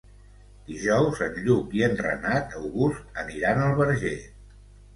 Dijous en Lluc i en Renat August aniran al Verger.